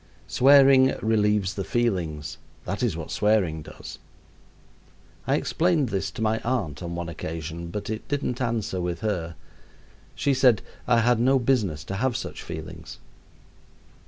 Swearing relieves the feelings that is what swearing does. I explained this to my aunt on one occasion, but it didn't answer with her. She said I had no business to have such feelings.